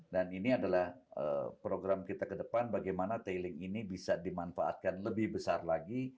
dan ini adalah program kita ke depan bagaimana tailing ini bisa dimanfaatkan lebih besar lagi